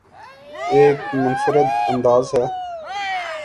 ایک منفرد انداز سے